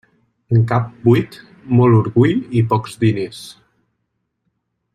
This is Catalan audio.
En cap buit, molt orgull i pocs diners.